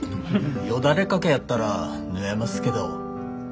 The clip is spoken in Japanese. よだれかけやったら縫えますけど。